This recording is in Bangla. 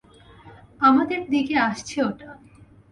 আমাদের দিকে আসছে ওটা।